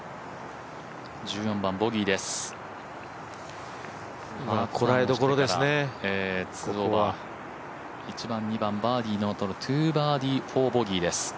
１番、２番、バーディーのあと２バーディー、４ボギーです。